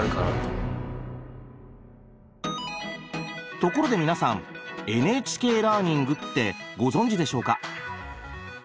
ところで皆さんＮＨＫラーニングってご存じでしょうか？